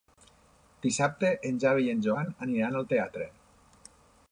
Dissabte en Xavi i en Joan aniran al teatre.